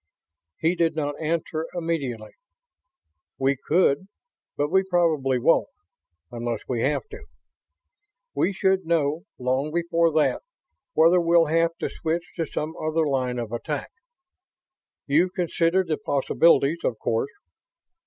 He did not answer immediately. "We could. But we probably won't ... unless we have to. We should know, long before that, whether we'll have to switch to some other line of attack. You've considered the possibilities, of course.